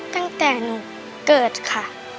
ตั้งแต่หนูเกิดค่ะ